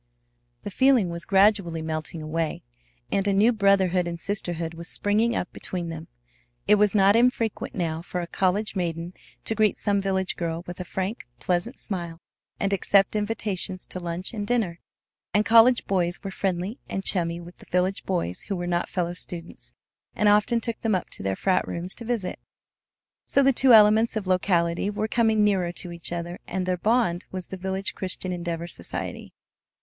The feeling was gradually melting away, and a new brotherhood and sisterhood was springing up between them. It was not infrequent now for a college maiden to greet some village girl with a frank, pleasant smile, and accept invitations to lunch and dinner. And college boys were friendly and chummy with the village boys who were not fellow students, and often took them up to their frat rooms to visit. So the two elements of the locality were coming nearer to each other, and their bond was the village Christian Endeavor Society.